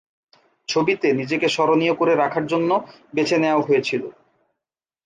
ছবিতে নিজেকে স্মরণীয় করে রাখার জন্য বেছে নেয়া হয়েছিল।